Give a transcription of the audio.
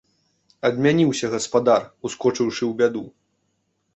Адмяніўся гаспадар, ускочыўшы ў бяду.